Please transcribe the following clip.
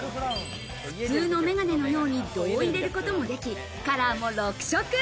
普通のメガネのように、度を入れることもでき、カラーも６色。